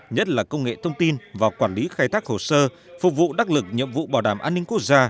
nhất là công nghệ thông tin và quản lý khai thác hồ sơ phục vụ đắc lực nhiệm vụ bảo đảm an ninh quốc gia